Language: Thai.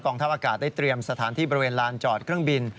ทัพอากาศได้เตรียมสถานที่บริเวณลานจอดเครื่องบิน